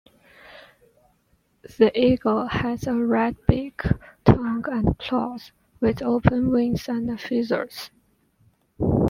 The eagle has a red beak, tongue and claws, with open wings and feathers.